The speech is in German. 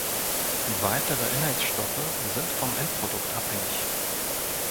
Weitere Inhaltsstoffe sind vom Endprodukt abhängig.